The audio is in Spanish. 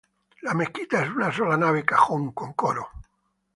La iglesia es de una sola nave cajón, con coro.